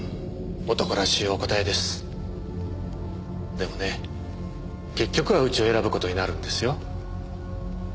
でもね結局はうちを選ぶ事になるんですよ。